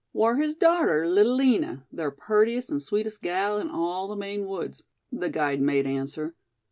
"War his darter, Little Lina, ther purtiest an' sweetest gal in all the Maine woods," the guide made answer.